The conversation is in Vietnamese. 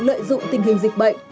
lợi dụng tình hình dịch bệnh